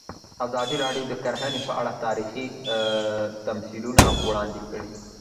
ازادي راډیو د کرهنه په اړه تاریخي تمثیلونه وړاندې کړي.